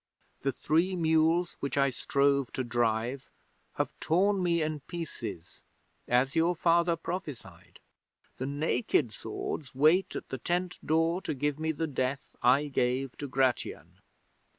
The three mules which I strove to drive have torn me in pieces as your Father prophesied. The naked swords wait at the tent door to give me the death I gave to Gratian.